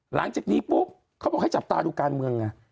หลังจากนี้ปุ๊บเขาบอกให้จับตาดูการเมืองไง